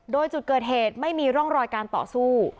โดยจุดเกิดเหตุไม่มีร่องรอยการต่อสู้